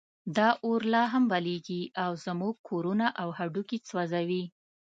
دا اور لا هم بلېږي او زموږ کورونه او هډوکي سوځوي.